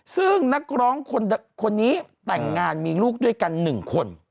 ซึ่งนักร้องคนนี้แต่งงานมีลูกด้วยกัน๑คน